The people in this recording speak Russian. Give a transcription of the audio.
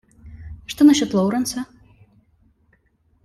Что насчет Лоуренса?